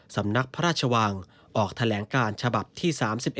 สำนักพระราชวังออกแถลงการฉบับที่๓๑